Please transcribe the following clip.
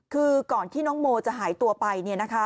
คือก่อนที่น้องโมจะหายตัวไป